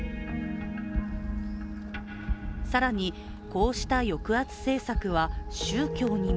更に、こうした抑圧政策は宗教にも。